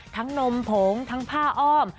ทั้งนมผงทั้งผ้าอ้อม